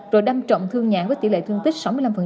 rồi đâm trọng thương nhãn với tỷ lệ thương tích sáu mươi năm